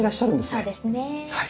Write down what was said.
そうですね。